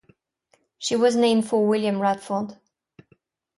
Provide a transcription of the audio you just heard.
She was named for William Radford.